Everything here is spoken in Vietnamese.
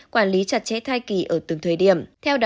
quản lý chặt chẽ thai kỳ ở từng thời điểm